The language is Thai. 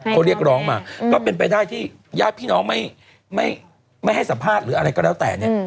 เขาเรียกร้องมาก็เป็นไปได้ที่ญาติพี่น้องไม่ให้สัมภาษณ์หรืออะไรก็แล้วแต่เนี่ย